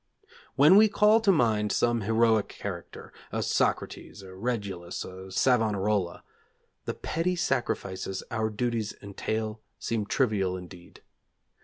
When we call to mind some heroic character a Socrates, a Regulus, a Savonarola the petty sacrifices our duties entail seem trivial indeed.